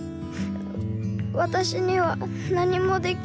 わたしにはなにもできない。